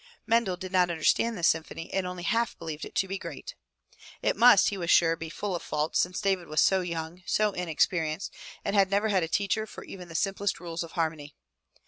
Mendel did not understand the symphony and only half believed it to be great. It must, he was sure, be full of faults, since David was so young, so inexperienced, and had never had a teacher for even the simplest rules of harmony.